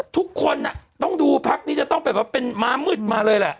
ทุกคนต้องดูพักนี้จะต้องไปแบบเป็นม้ามืดมาเลยแหละ